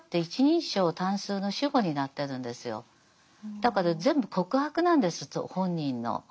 だから全部告白なんです本人の。